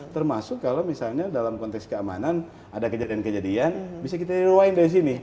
termasuk kalau misalnya dalam konteks keamanan ada kejadian kejadian bisa kita rene dari sini